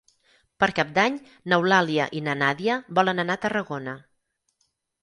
Per Cap d'Any n'Eulàlia i na Nàdia volen anar a Tarragona.